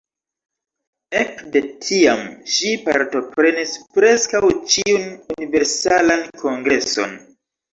Ekde tiam ŝi partoprenis preskaŭ ĉiun Universalan Kongreson.